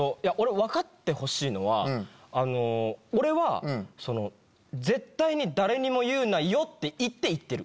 分かってほしいのは俺は「絶対に誰にも言うなよ」って言って言ってる。